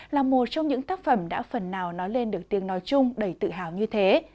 là một trong những tác phẩm đã phần nào nói lên được tiếng nói chung đầy tự hào như thế